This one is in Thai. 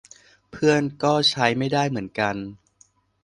เพื่อนก็ใช้ไม่ได้เหมือนกัน